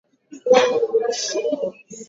Ni wakati wa kuomba